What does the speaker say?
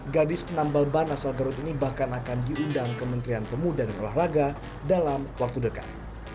gadis penambal ban asal garut ini bahkan akan diundang kementerian pemuda dan olahraga dalam waktu dekat